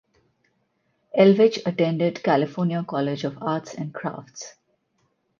Elvidge attended California College of Arts and Crafts.